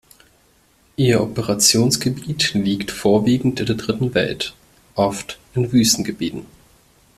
Ihr Operationsgebiet liegt vorwiegend in der Dritten Welt, oft in Wüstengebieten.